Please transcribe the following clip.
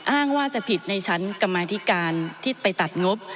อ้างว่าจะผิดในชั้นกรรมาธิการที่ไปตัดงบ